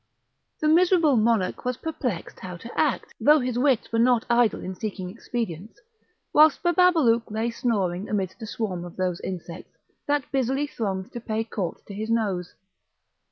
The miserable monarch was perplexed how to act, though his wits were not idle in seeking expedients, whilst Bababalouk lay snoring amidst a swarm of those insects, that busily thronged to pay court to his nose.